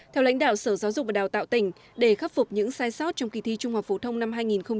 theo lãnh đạo sở giáo dục và đào tạo tỉnh để khắc phục những sai sót trong kỳ thi trung học phổ thông năm hai nghìn một mươi tám